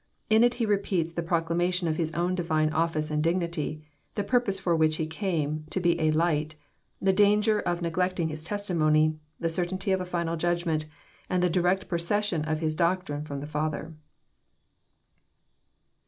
In it He repeats the proclamation of His own Divine office and dignity,— the purpose for which He came, to be a " light," — the danger of neglecting His testimony, — the certainty of a final judgment, — and the direct procession of His doctrine from the Father.